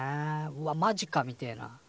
うわマジかみてえな。